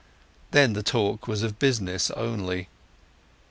Then the talk was of business only.